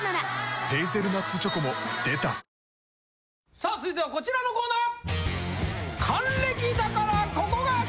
さあ続いてはこちらのコーナー！